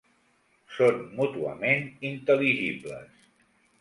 Són mútuament intel·ligibles.